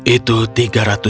itu tiga ratus tahun